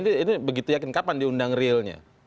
ini begitu yakin kapan diundang realnya